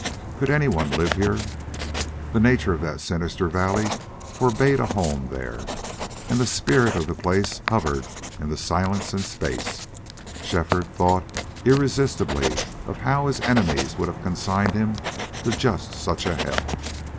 Could any one live here? The nature of that sinister valley forbade a home there, and the spirit of the place hovered in the silence and space. Shefford thought irresistibly of how his enemies would have consigned him to just such a hell.